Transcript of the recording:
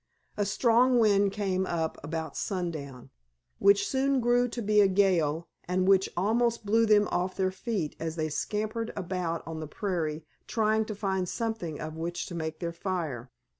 A strong wind came up about sundown, which soon grew to be a gale, and which almost blew them off their feet as they scampered about on the prairie trying to find something of which to make their fire.